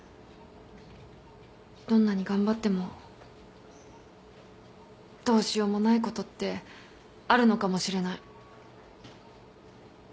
どんなに頑張ってもどうしようもないことってあるのかもしれない。